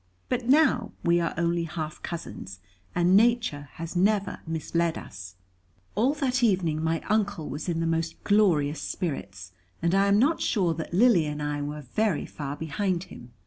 But now, we are only half cousins, and nature has never misled us. [#] i.e. the age of twenty. All that evening, my Uncle was in the most glorious spirits, and I am not sure that Lily and I were very far behind him.